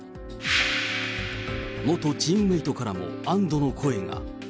元チームメートからも安どの声が。